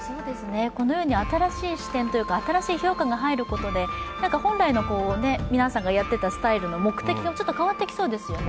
このように新しい視点というか新しい評価が入ることで本来の皆さんがやってたスタイルの目的がちょっと変わってきそうですよね。